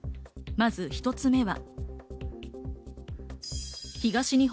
まず一つ目は。